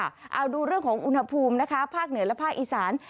เอาดูเรื่องของอุณหภูมินะคะภาคเหนือและภาคอีสาน